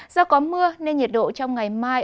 do có mưa nên nhiệt độ trong ngày mai